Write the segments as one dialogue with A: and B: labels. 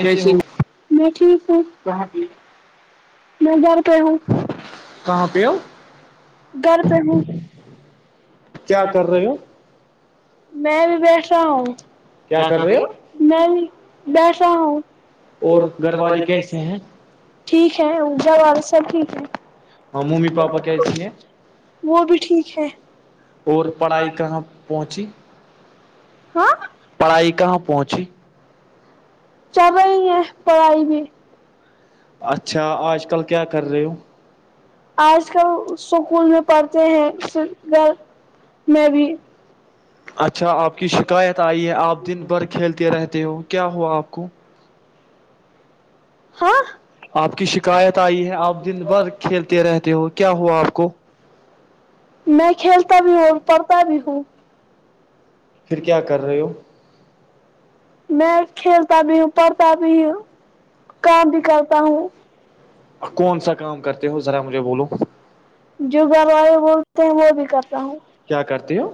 A: کیا
B: ہو
A: میں ٹھیک میں بار کہ ہوں
B: کہاں پ
A: گھر پہ ہوں
B: کیا کر رہے ہو
A: میں بھی بیٹھ رہا ہوں کیا کر رہے ہ میں بیٹھا ہوں
B: اور گھر والے کیسے ہیں
A: ٹھیک ہے ا سب ٹھیک ہے
B: ہاں ممی پاپا کہ چے
A: وہ بھی ٹھیک ہے
B: اور پڑھائی کہاں پہنچی
A: ہاں
B: پڑھائی کہاں پہنچی
A: چبا ہی ہے پڑھائی بھی
B: اچھا آج کل کیا کر رہے ہو
A: آج کل سکول میں پڑھتے ہیں گھر میں بھی
B: اچھا آپ کی شکایت آئی ہے آپ دن بھر کھیلتے رہتے ہو کیا ہوا آپ کو
A: ہاں
B: آپ کی شکایت آئی ہے آپ دن بھر کھیلتے رہتے ہو کیا ہوا آپ کو
A: میں کھیلتا بھی ہوں اور پڑھتا بھی ہوں
B: پھر کیا کر رہے ہو
A: میچ کھیلتا بھیوں پڑتا بھیوں کام بھی کرتا ہوں
B: کون سا کام کرتے ہو ذرا مجھے بولو
A: جو گھر والے بولتے ہیں وہ بھی کرتے
B: کرتے ہو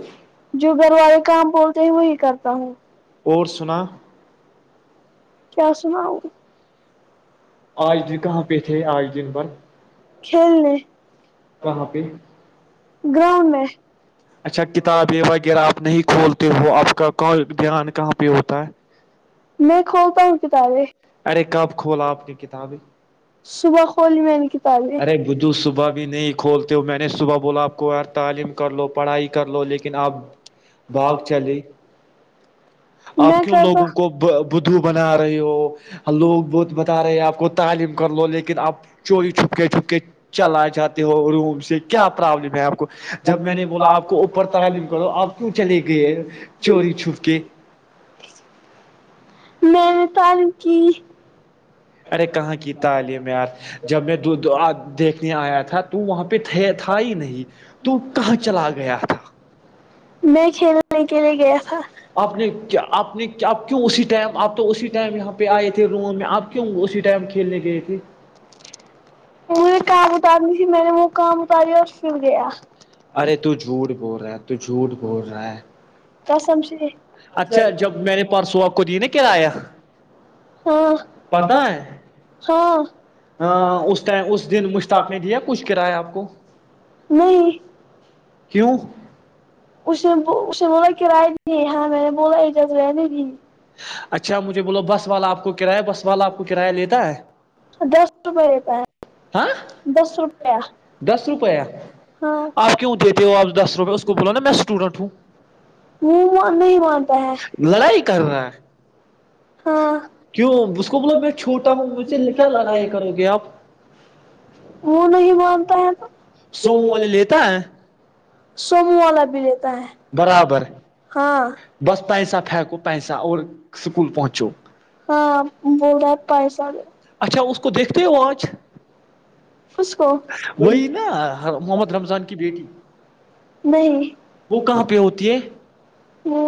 A: جو گھر والے کام بولتے ہیں وہی کرتا ہوں اور سنا کیا سناؤ
B: آج بھی کہاں پہ تھے آج دن بند
A: کلنے
B: کہاں پہ
A: گراؤن میں
B: اچھا کتابیں وغیرہ آپ نہیں کھولتے ہو آپ کا کو گان کہاں پہ ہوتا کتا
A: میں کھتا ہوں ک تارے
B: ارے کب کھولا آپ کی کتابیں
A: صبح خول میں نے کی
B: ارے بجھو صبح بھی نہیں کھولتے ہو میں نے صبح بولا آپ کو یار تعلیم کر لو پڑھائی کی کر لو لیکن آپ بھاگ چلے آپ
A: میں
B: کیوں
A: کرتا
B: لوگوں کو بدو بنا رہے ہو لوگ بدھ بتا رہے ہو آپ کو تعلیم کر لو لیکن آپ چوری چ چپک کے چھپ کے چلا جاتے ہو روم سے کیا پرابلم ہے آپ کو جب میں نے بولا آپ کو اوپر تعلیم کرو آپ کیوں چلے گئے چور چھپ کے
A: میں نے تان کی
B: ارے کہاں کی تعلیم یار جب میں دیکھنے آیا تھا تو وہاں پہ تھا ہی نہیں تو کہاں چلا گیا تھا
A: میں کھیلنے کےلے گیا تھا
B: آپ نے آپ نے آپ کیوں اسی ٹائم آپ تو اسی ٹائم یہاں پہ آئے تھے روم میں آپ کیوں اسی ٹائم کھیلنے گئے تھے
A: م کااب اتار نہیں س میں نے م وہ کام کری اور پھر گیا
B: ارے ت جھوٹ بول رہا ہے ت جھوٹ بول رہا ہے
A: تو سم
B: اچھا جب میں نے پرسوں آپ کو دی نا کرایہ
A: ہاں
B: پتا ہے
A: ہاں
B: ہ اس م اس دن مشتاق نے دیا کچھ کرایہ آپ کو
A: نہیں
B: کیوں
A: کراائے دی ہاں میں نے بولا اجاز رہنے ت
B: اچھا مجھے بولو بس والا آپ کو کرایہ بس والا آپ کو کرایہ لیتا ہے
A: دس روپے لیتا
B: ہاں
A: دس روپیہ
B: دس روپیہ
A: ہاں
B: آپ کیوں دیتے ہو آپ دس روپئے اس کو بولا نا میں اسٹوڈنٹ ہوں
A: مہ نہیں مانتا ہے
B: لڑائی کر رہا ہے
A: ہاں
B: کیوں اس کو بلا میں چھوٹا ہوں مجھے کیا لگیا کرو گے آپ
A: وہ نہیں مانتا ہے تو
B: سومو والے لیتا ہے
A: سمو والا ج
B: برابر
A: ہاں
B: بس پیسہ پھینکو پیسہ اور اسکول پہنچو
A: ہاں ب رہا پائسال
B: اچھا اس کو دیکھتے ہو آنچ
A: اس کو
B: وہی نا محمد رمضان کی بیٹی
A: نہیں
B: وہ کہاں پہ ہوتی ہے
A: وہ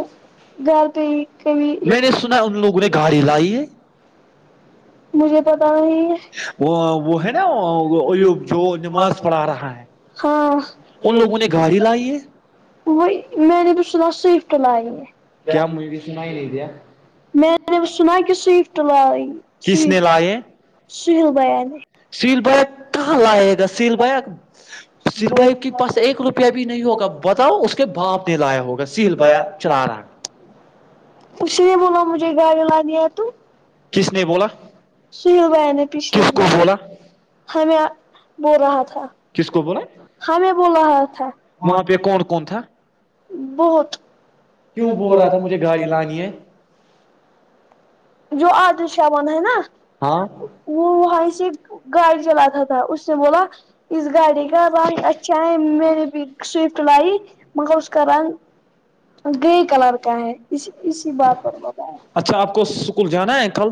A: گھر تو یہ ک
B: میں نے سنا ان لوگوں نے گاڑی لائی ہے
A: [unintelligible] مجھے تو
B: وہ وہ ہے ناب جو نماز پڑھا رہا ہے ان لوگوں نے گاڑی لائی ہے
A: وہائی میں نے تو سدس سوئفٹ لاگ میں
B: کیا مجھے سنا ہی نہیں دیا
A: میں نے وہ سنا کہ صوف تولائی
B: کس
A: شری
B: نے لائے
A: [unintelligible] جل بان [unintelligible]
B: سیل بیا کہاں لائے گا سیل بایا سل بائی کے پاس ایک روپیہ بھی نہیں ہوگا بتاؤ اس کے باپ نے لایا ہوگا سیل بایا چلا رہا
A: اسی
B: کس نے بولا
A: سل بہ نے پچھل
B: کس کو بولا
A: ہمیں بول رہا تھا
B: کس کو بولا
A: ہمیں بول رہا تھا
B: وہاں پہ کون کون تھا
A: بہت
B: کیوں بول رہا تھا مجھے گاڑی لانی ہے
A: جو عادل شامن ہے نا
B: ہاں
A: وہ وہیں سے گائے جلاتا تھا اس نے بولا اس گاڑی کا رنگ اچھا ہے میں نے بھی سوفٹ لائی مگر اس کا رنگ گرے کلر کا ہے اس اسی بات پر
B: اچھا آپ کو
A: بتایا
B: اسکول جانا ہے کل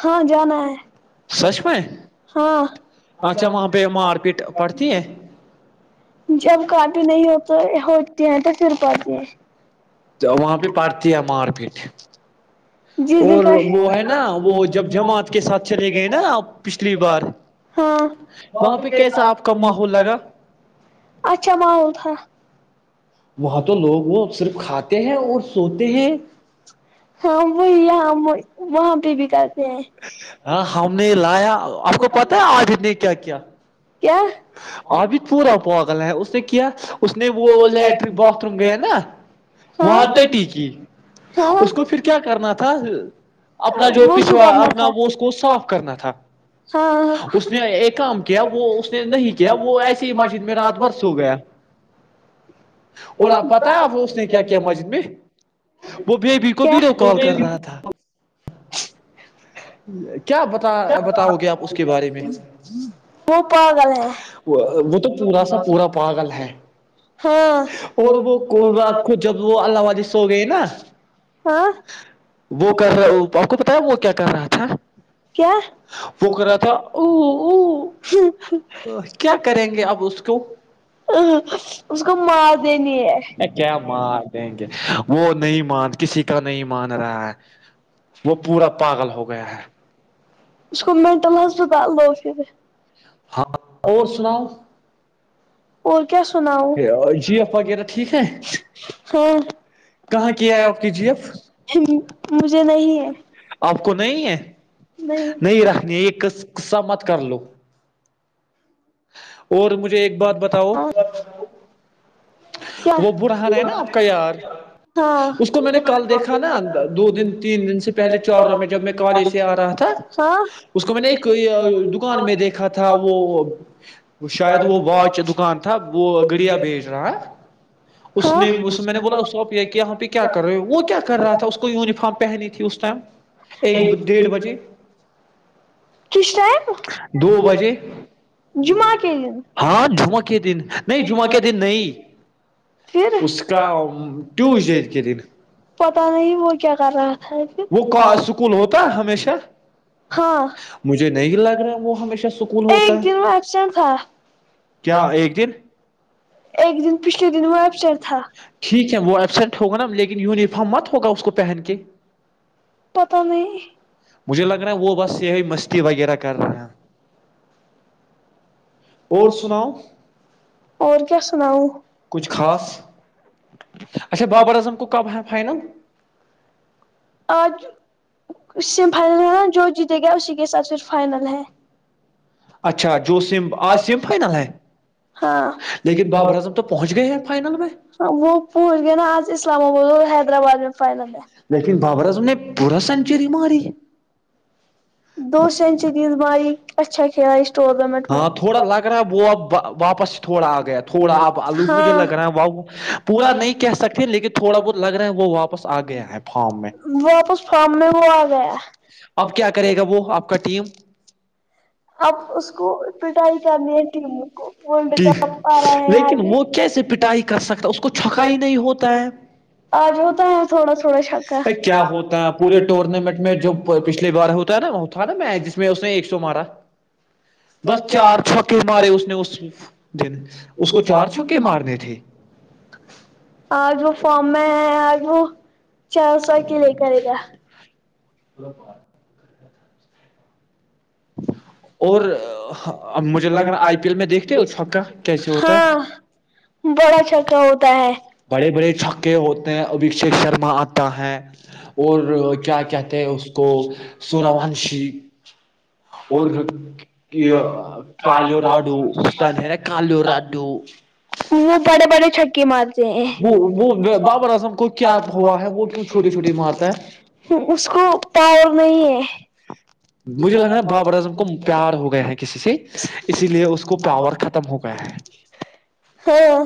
A: ہاں جانا ہے
B: سچ میں
A: ہاں
B: اچھا وہاں پہ مار پیٹ پڑتی ہے
A: جب کا بھی نہیں ہوتا ہو تٹر س ر پتی ہے [unintelligible]
B: تو وہاں پہ پارتی ہے مار پیٹ
A: جی
B: اور
A: ج
B: وہ ہے نا وہ جب جماعت کے ساتھ چلے گئے نا آپ پچھلی بار
A: ہاں
B: وہاں پہ کیسا آپ کا ماحول لگا
A: اچھا ماحول تھا
B: وہاں تو لوگ وہ صرف کھاتے ہیں اور سوتے ہیں
A: ہاں وہی وہاں پہ بھیک
B: ہاں ہم نے لایا آپ کو پتا ہے آج نے کیا کیا
A: کیا
B: ابھی پورا پاگلا ہے اس نے کیا اس نے وہ لیٹرن باتھ روم گیا نا
A: ہاں
B: وہاں ت ٹی کی
A: ہاں
B: اس کو پھر کیا کرنا تھا اپنا جو
A: وضو
B: پچھوا
A: کرنا
B: اپنا
A: تھا
B: وہ اس کو صاف کرنا تھا
A: ہاں
B: اس نے ایک کام کیا وہ اس نہیں کیا وہ ایسی ہی مسجد میں رات بھر سو گیا اور آپ پتا آپ اس نے کیا کیا مسجد میں وہ بیبی کو
A: کیا
B: ویڈیو کال کر رہا تھا [inaudible]
A: تو
B: بتاؤ گے آپ اس کے بارے میں
A: پا ہاں
B: وہ تو پورا سا پورا پاگل ہے اور وہ رات کو جب وہ اللہ والے سو گئے نا
A: ہاں
B: وہ کر رہا آپ کو پتا ہے وہ کیا کر رہا تھا
A: کیا
B: وہ کر رہا تھا او او کیا کریں گے اب اس کو
A: اس کو مار دینی ہے
B: کیا مار دیں گے وہ نہیں مان کسی کا نہیں مان رہا ح [inaudible] وہ پورا پاگل ہو گیا ہے
A: اس کو مینٹل ہسپتال دو پھر ہاں اور س اور کیا سناؤ
B: جی ایف وغیرہ ٹھیک ہے
A: ہ
B: کہاں کیا ہے آپ کی جی ایف
A: مجھے نہیں ہے
B: آپ کو نہیں ہے
A: نہیں
B: رکھنی ہے یہ قصہ مت کر لو اور مجھے ایک بات بتاؤ
A: ہاں
B: وہ برہان ہے نا آپ کا یار
A: کیا
B: اس کو میں نے کل دیکھا نا دو
A: ہاں
B: تین دن سے پہلے چار روم میں جب میں کال ایسے ا رہا تھا
A: ہاں
B: اس کو میں نے کوئی دکان میں دیکھا تھا وہ شاید وہ تب وہ گریا بیچ رہا ہے اس
A: ہاں
B: نے مجھ سے میں نے بولا کہ یہاں پہ کیا کر رہے ہو وہ کیا کر رہا یونیفارم پہنی تھی اس ٹائم ایک ڈیڑھ بجے دو بجے
A: جمعہ کے
B: ہاں جمعہ کے دن نہیں جمعہ کے دن نہیں اس کا ٹیوزڈے کے دن
A: پتہ نہیں وہ کیا کر رہا ہے
B: وہ اسکول ہوتا ہے ہمیشہ مجھے نہیں لگ رہا وہ ہمیشہ سکول
A: [unintelligible] ایک
B: ہوتا ہے
A: دن میںشن تھا
B: کیا ایک دن
A: ایک دن پچھلے دن وہ ایپچر تھا
B: ٹھیک ہے وہ ایبسینٹ ہوگا نا لیکن یونیفارم مت ہوگا اس کو پہن کے
A: پتا نہیں
B: مجھے لگ رہا ہے وہ بس یہی مستی وغیرہ کر رہے ہیں
A: اور سنا اور کیا س
B: کچھ خاص اچھا بابر اعظم کو کب ہے فائنل
A: آج جو جیتے گا اسی کے ساتھ پھر چ
B: اچھا جو سم آج سیم فائنل ہے لیکن بابر اعظم تو پہنچ گئے ہیں فائنل میں
A: ہاں وہ پوچھ گ نا آج اسلام آباد اور حیدرآباد میں فائنل ہے
B: بابرز نے پورا سینچری ماری
A: دو س انچ چیز ماری اچھا کیا
B: ہاں تھوڑا لگ رہا ہے وہ اب واپس تھوڑا اگیا تھوڑا اپ لوگ مجھے
A: ہاں
B: لگ رہا ہے واؤ پورا نہیں کہہ سکتے لیکن تھوڑا بہت لگ رہا ہے وہ واپس ا گئے ہیں فارم میں
A: واپس فارم میں وہ آ گیا
B: اب کیا کریں وہ آپ کا ٹیم
A: آپ اس کو اج
B: کہ لیکن وہ
A: ہوتا
B: کیسے پٹائی کر سکتا اس کو چھکا ہی نہیں
A: ہے
B: ہوتا ہے
A: تھوڑا
B: کیا ہوتا ہے پورے
A: تھوڑا
B: ٹورنامنٹ میں جو پچھلی بار ہوتا ہے نا
A: کیا
B: ہوتا نا میچ جس میں اس نے ایک سو مارا
A: ہوگا
B: بس چار چھوکے مارے اس نے اس دن اس کو چار چھکے مارنے تھے
A: آج وہ فارم میں آجوں چار سو کے لے کرے گا سپ
B: اور اب مجھے لگ رہا آئی پی ایل میں دیکھتے ہو چھکا کیسے ہوتا
A: ہاں
B: ہے
A: بڑا چھکا ہوتا ہے
B: بڑے بڑے چھکے ہوتے ہیں ابھیشیک شرما آتا ہے اور کیا کہتے ہیں اس کو سورونشی کالوراڈو استان ہے نا کالوراڈو
A: وہ بڑے بڑے چھکے مارتے
B: وہ
A: ہیں
B: وہ بابر اعظم کو کیا ہوا ہے وہ کیوں چھوٹے چھوٹے مارتا ہے
A: اس کو پا نہیں ہے
B: بجھ لگ بابر کو پیار ہو گیا ہے کسی سے اسی لیے اس کو پاور ختم ہو گیا ہے
A: ہاں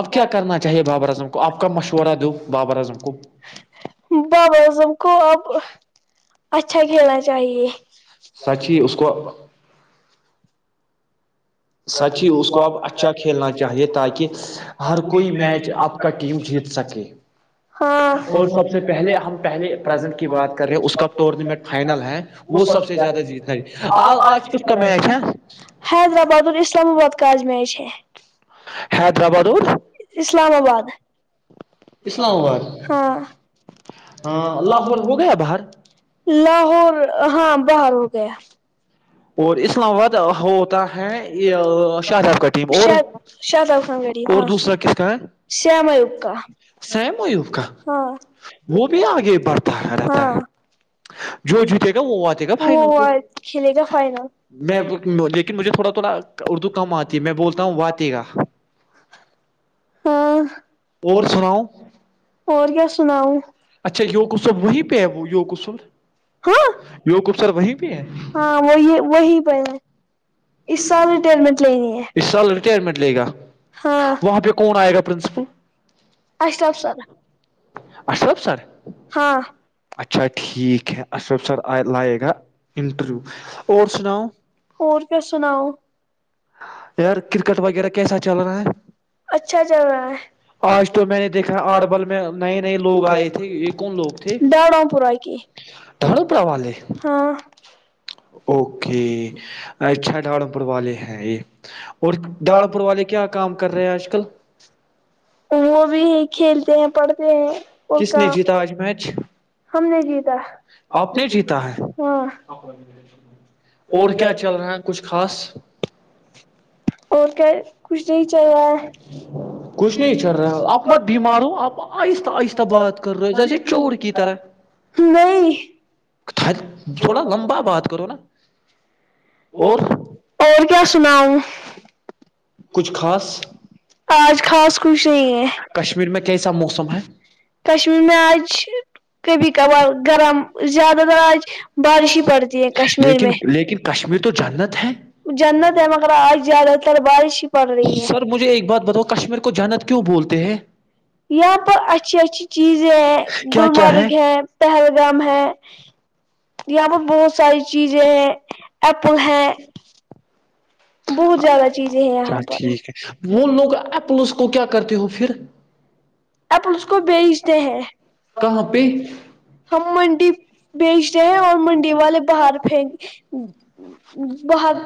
B: اب کیا کرنا چاہیے بابا اعظم کو آپ کا مشورہ دو بابا اعظم کو
A: بابا اعظم کو اب اچھا کھیلنا چاہے
B: سچ ہی اس کو سچی اس کو آپ اچھا کھیلنا چاہیے تاکہ ہر کوئی میچ آپ کا ٹیم جیت سکے
A: ہاں
B: اور سب سے پہلے ہم پہلے پرزنٹ کی بات کر رہے ہیں اس کا ٹورنامنٹ فائنل ہے وہ سب سے زیادہ جیتنا آج کس کا میچ ہے
A: حیدرآباد اور اسلام آباد کاز میچ ہے
B: حیدر آباد اور
A: اسلام آباد
B: اسلام آباد
A: ہاں
B: ہ اللہن ہو گیا باہر
A: لاہور ہاں باہر ہو گیا
B: اور اسلام آباد ہوتا ہے شاہزاب کا ٹیم اور
A: شاید شاداب خان غریب
B: اور
A: ہاں
B: دوسرا کس کا ہے
A: شیام ایوب کا
B: سیم ووب کا
A: ہاں
B: وہ بھی آگے بڑھتا رہتا ہے
A: ہاں
B: جو جتے گا وہ وے گا فائنر
A: وہ
B: کو
A: کھیلے گا فائنل
B: میں لیکن مجھے تھوڑا تھوڑا اردو کم آتی ہے میں بولتا ہوں وے گا
A: ہ [unintelligible]
B: اور سناؤ
A: اور کیا سناؤ
B: اچھا یو قسب وہیں پہ ہے وہ یو قسب
A: ہاں ہاں وہی وہی پہ [unintelligible] سال ریٹائرمنٹ لینی ہے
B: اس سال ریٹائرمنٹ لے گا
A: ہاں
B: وہاں پہ کون آیا ا پرنسپل
A: اشرف سر
B: ا [unintelligible]
A: ہاں
B: اچھا ٹھیک ہے اشرف سر لائے گا انٹرویو اور سناؤ
A: اور کیا سناؤ
B: یار کرکٹ وغیرہ کیسا چل رہا ہے
A: اچھا چل رہا ہے
B: آج تو میں نے دیکھا آٹھ بال میں نئے نئے لوگ آئے تھے یہ کون لوگ تھے
A: ڈڑوں پورا کی
B: ڈھاڑو پورا والے
A: ہاں
B: اوکے ا اچھا ڈالمپور والے ہیں یہ اور داڑ پور والے کیا کام کر رہے ہیں آج کل
A: وہ بھی کھیلتے ہیں پڑھتے ہیں
B: کس
A: کا
B: نے جیتا آج میچ
A: ہم نے جیتا
B: آپ نے جیتا ہے
A: ہاں
B: اور کیا چل رہا ہے کچھ خاص
A: خوش رہی
B: کچھ نہیں چل رہا آپ مت بیمار ہو آپ آہستہ آہستہ بات کر رہے جیسے چور کی طرح
A: ہے نہیں
B: تھوڑا لمبا بات کرو نا
A: اور کیا سنا ہوں
B: کچھ خاص
A: آج خاص خوش نہیں ہے
B: کشمیر میں کیسا موسم ہے
A: کشمیر میں آج کبھی کبھار گرم زیادہ تر آج بارش ہی پڑتی ہے کشمیر
B: لیکن
A: میں
B: لیکن کشمیر تو جنت ہے
A: جنت ہے مگر آج زیادہ تر بارش ہی پڑ رہی ہے
B: سر مجھے ایک بات بتاؤ کشمیر کو جانت کیوں بولتے ہیں
A: یہاں پر اچھی اچھی چیزیں ہیں
B: کیا کیا
A: گلمرگ ہے پہلگام ہے یہاں پر بہت ساری چیزیں ہیں ایپل ہے بہت زیادہ چیزیں ہیں
B: اچھا
A: یہاں پر
B: ٹھیک ہے وہ لوگ ایل اس کو کیا کرتے ہو پھر
A: آپ اس کو بیچتے ہیں
B: کہاں پہ
A: ہم منڈی بیچتے ہیں اور منڈی والے باہر پھیک باہر